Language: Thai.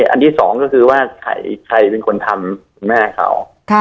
อันที่สองก็คือว่าใครเป็นคนทำคุณแม่เขา